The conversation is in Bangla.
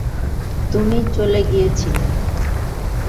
তুমি চলে গিয়েছিলে।